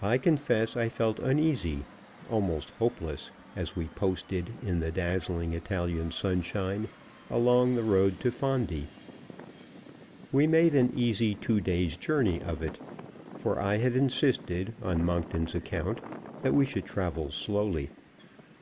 I confess I felt uneasy, almost hopeless, as we posted, in the dazzling Italian sunshine, along the road to Fondi. We made an easy two days' journey of it; for I had insisted, on Monkton's account, that we should travel slowly.